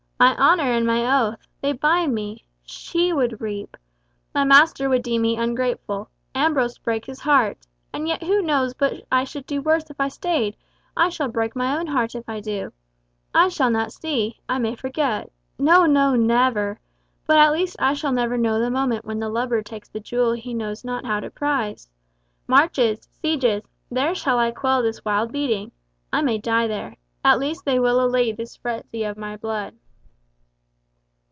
"My honour and my oath. They bind me. She would weep. My master would deem me ungrateful, Ambrose break his heart. And yet who knows but I should do worse if I stayed, I shall break my own heart if I do. I shall not see—I may forget. No, no, never! but at least I shall never know the moment when the lubber takes the jewel he knows not how to prize! Marches—sieges—there shall I quell this wild beating! I may die there. At least they will allay this present frenzy of my blood."